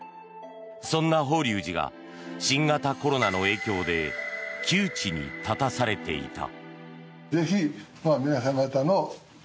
そんな法隆寺が新型コロナの影響で窮地に立たされていた。